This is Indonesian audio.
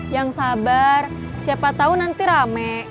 yang sabar siapa tahu nanti rame